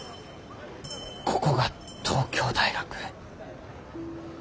ここが東京大学。